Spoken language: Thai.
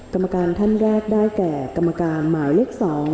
กรรมการท่านแรกได้แก่กรรมการหมายเลข๒